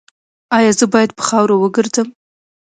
ایا زه باید په خاورو وګرځم؟